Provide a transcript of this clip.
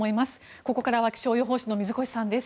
ここからは気象予報士の水越さんです。